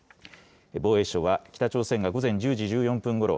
防衛省は北朝鮮が午前１０時１４分ごろ